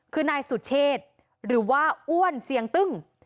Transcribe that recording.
คือนายสุเชษหรือว่าอ้วนเสียงตึ้ง